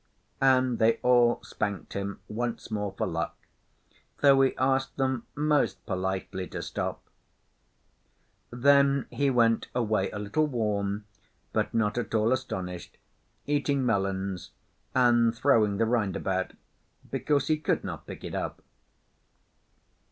And they all spanked him once more for luck, though he asked them most politely to stop. Then he went away, a little warm, but not at all astonished, eating melons, and throwing the rind about, because he could not pick it up.